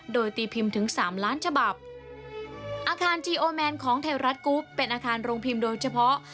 โดยตีพิมพ์ถึงสามล้านฉบับอาคารจีโอแมนของไทยรัฐกรุ๊ปเป็นอาคารโรงพิมพ์โดยเฉพาะ